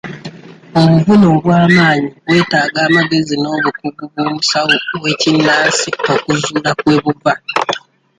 Obuvune obwa maanyi bwetaaga amagezi n'obukugu bw'omusawo w'ekinnansi okuzuula kwe buva.